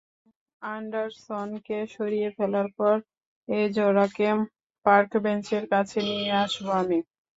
অ্যান্ডারসনকে সরিয়ে ফেলার পর, এজরাকে পার্ক বেঞ্চের কাছে নিয়ে আসবো আমি।